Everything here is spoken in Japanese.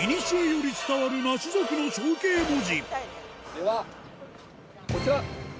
ではこちら！